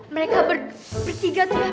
mereka bertiga tuh